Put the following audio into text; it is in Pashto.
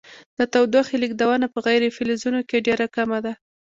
د تودوخې لیږدونه په غیر فلزونو کې ډیره کمه ده.